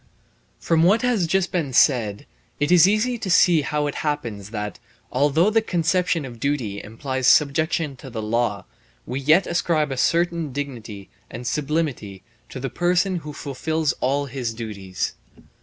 From what has just been said, it is easy to see how it happens that, although the conception of duty implies subjection to the law, we yet ascribe a certain dignity and sublimity to the person who fulfils all his duties.